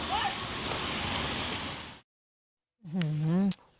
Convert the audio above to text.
เฮ้ย